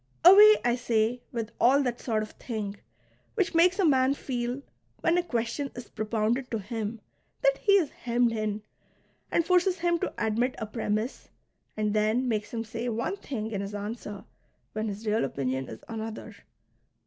Away, I say, with all that sort of thing, which makes a man feel, when a question is propounded to him, that he is hemmed in, and forces him to admit a premiss, and then makes him say one thing in his answer when his real opinion is another.